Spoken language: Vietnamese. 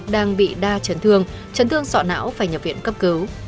đang bị đa trấn thương trấn thương sọ não phải nhập viện cấp cứu